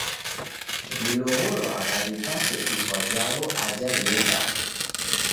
W'ilow'olwagha w'ipate ifwa jaw'o aja w'iendagha.